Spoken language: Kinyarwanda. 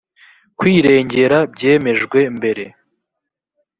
kwirengera byemejwe mbere